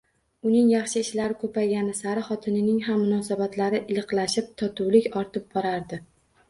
Uning yaxshi ishlari ko`paygani sari xotinining ham munosabatlari iliqlashib, totuvlik ortib borardi